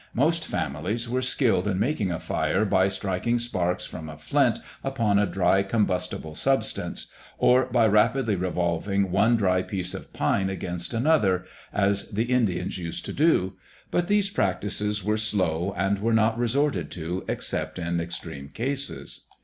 Most families were skilled in making a fire by striking sparks from a flint upon a dry combustible substance, or by rapidly revolving one dry piece of pine against another, as the Indians used to do; but these practices were slow and were not resorted to except in extreme cases.